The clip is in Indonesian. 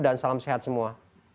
dan salam sehat semua